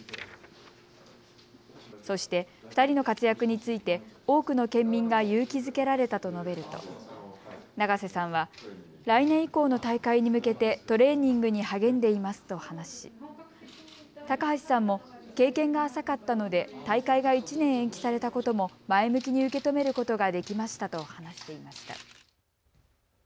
そして、２人の活躍について多くの県民が勇気づけられたと述べると永瀬さんは来年以降の大会に向けてトレーニングに励んでいますと話し高橋さんも経験が浅かったので大会が１年延期されたことも前向きに受け止めることができましたと話していました。